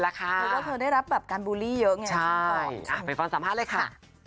เพราะว่าเธอได้รับแบบการบูลลี่เยอะไงใช่ไปฟังสัมภาษณ์เลยค่ะ